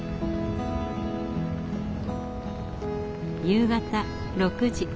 夕方６時。